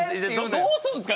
どうするんですか？